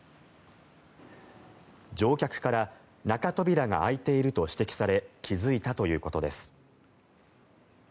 乗客から中扉が開いていると指摘され気付いたということです。